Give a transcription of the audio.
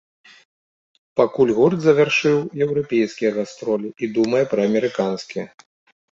Пакуль гурт завяршыў еўрапейскія гастролі і думае пра амерыканскія.